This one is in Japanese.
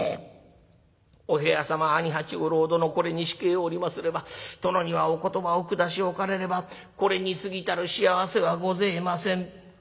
お部屋様兄八五郎殿これに控えおりますれば殿にはお言葉お下しおかれればこれにすぎたる幸せはごぜえません」。